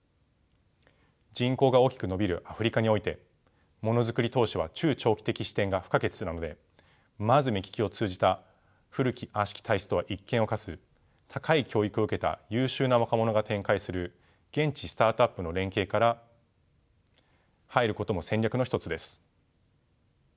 人口が大きく伸びるアフリカにおいてものづくり投資は中長期的視点が不可欠なのでまず目利きを通じた古き悪しき体質とは一線を画す高い教育を受けた優秀な若者が展開する現地スタートアップの連携から入ることも戦略の一つです。